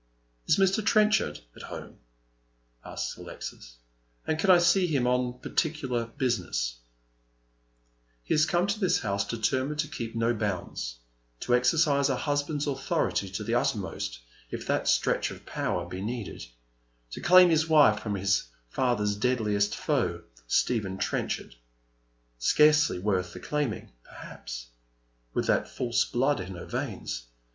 " is Mr. Trenchard at home ?" asks Alexis, " and can I see him on particular business ?" He has come to tliis house deteiTnined to keep no bounds — to exercise a husband's authority to the uttermost, if that stretch of power be needed — to claim his wife from his father's deadliest foe, Stephen Trenchard. Scarcely worth the claiming, perhaps, with that false blood in her veins.